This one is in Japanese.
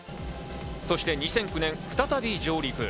そして２００９年、再び上陸。